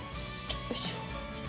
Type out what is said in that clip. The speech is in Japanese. おいしょ。